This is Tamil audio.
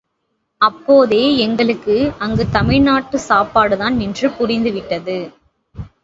அப்போதே எங்களுக்கு அங்கு தமிழ் நாட்டு சாப்பாடுதான் என்று புரிந்த விட்டது.